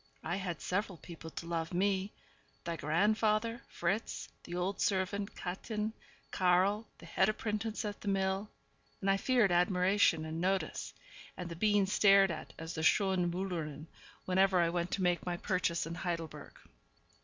I had several people to love me thy grandfather, Fritz, the old servant Kätchen, Karl, the head apprentice at the mill and I feared admiration and notice, and the being stared at as the 'Schöne Müllerin,' whenever I went to make my purchases in Heidelberg.